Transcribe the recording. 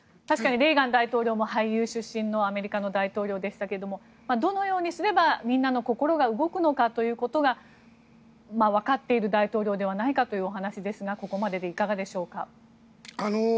確かにレーガン大統領も俳優出身のアメリカの大統領でしたけどどのようにすれば、みんなの心が動くのかということがわかっている大統領ではないかというお話ですがここまででいかがでしょうか。